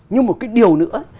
nhưng một cái điều nữa